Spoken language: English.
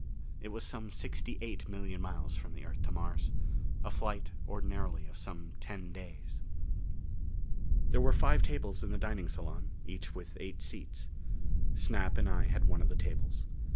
It was some sixty eight million miles from the Earth to Mars. A flight, ordinarily, of some ten days. There were five tables in the dining salon, each with eight seats. Snap and I had one of the tables.